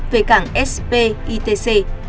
về cảng spitc